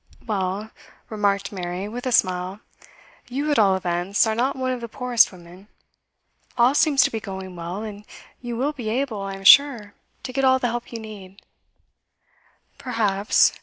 'Well,' remarked Mary, with a smile, 'you, at all events, are not one of the poorest women. All seems to be going well, and you will be able, I am sure, to get all the help you need.' 'Perhaps.